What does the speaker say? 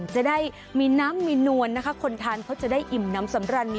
จะได้มีน้ำมีนวลธรรม